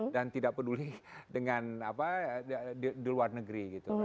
dan tidak peduli dengan apa di luar negeri gitu